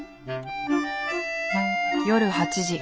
夜８時。